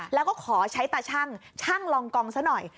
แล้วก็ขอใช้ตาชั่งช่างลองกองซะหน่อย